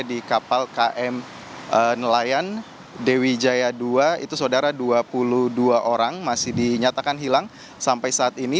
di kapal km nelayan dewi jaya dua itu saudara dua puluh dua orang masih dinyatakan hilang sampai saat ini